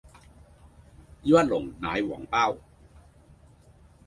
要一籠奶黃包